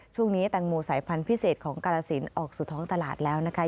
ช่วงนี้แตงโมสายพันธุ์พิเศษของกรสินออกสู่ท้องตลาดแล้วนะคะ